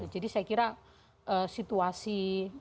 jadi saya kira situasi